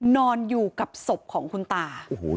นอนอยู่กับศพของคุณตา